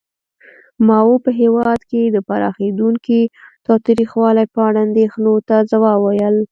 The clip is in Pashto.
ماوو په هېواد کې د پراخېدونکي تاوتریخوالي په اړه اندېښنو ته ځواب وویل.